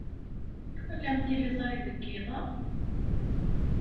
Twalam tiliẓri deg yiḍ-a?